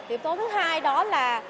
yếu tố thứ hai đó là